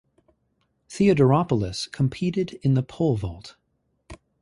Theodoropoulos competed in the pole vault.